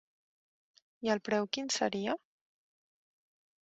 I el preu quin seria?